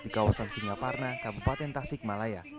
di kawasan singaparna kabupaten tasikmalaya